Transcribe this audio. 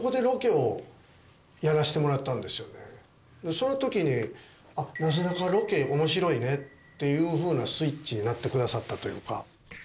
その時に「なすなかロケ面白いね」っていうふうなスイッチになってくださったというか。